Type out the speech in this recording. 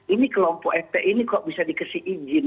ini kelompok fpi ini kok bisa dikasih izin